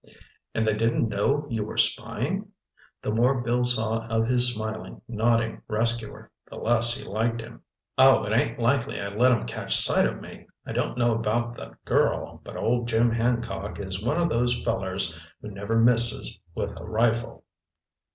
"And they didn't know you were spying?" The more Bill saw of his smiling, nodding rescuer, the less he liked him. "Oh, it ain't likely I let 'em catch sight of me! I don't know about the girl, but old Jim Hancock is one of those fellers who never misses with a rifle."